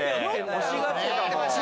欲しがってたもん。